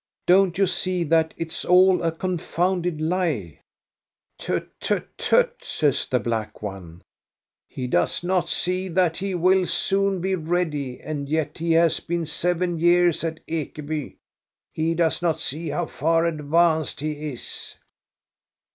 Don't you see that it 's all a confounded lie? "" Tut, tut, tut, " says the black one ;" he does not see that he will soon be ready, and yet he has been seven years at Ekeby. He does not see how far advanced he is.